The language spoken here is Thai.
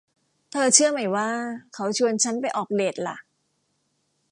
เธอเชื่อไหมว่าเค้าชวนชั้นไปออกเดทล่ะ